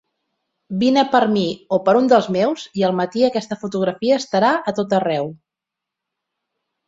Vine a per mi o a per un dels meus, i al matí aquesta fotografia estarà a tot arreu.